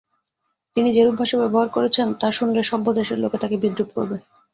তিনি যেরূপ ভাষা ব্যবহার করেছেন, তা শুনলে সভ্য দেশের লোকে তাঁকে বিদ্রূপ করবে।